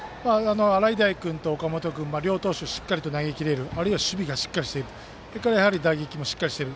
洗平君と岡本君両投手しっかりと投げきれるあるいは守備がしっかりしている打撃もしっかりしている。